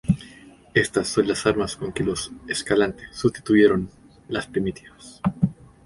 Estas son las armas con que los Escalante sustituyeron las primitivas.